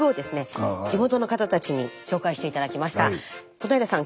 小平さん